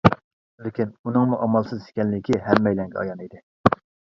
لېكىن ئۇنىڭمۇ ئامالسىز ئىكەنلىكى ھەممەيلەنگە ئايان ئىدى.